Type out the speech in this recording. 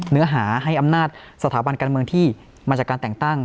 เนื้อหาให้อำนาจสถาบันการเมืองที่มาจากการแต่งตั้ง